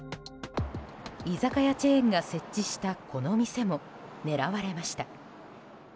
居酒屋チェーンが設置したこの店も狙われました。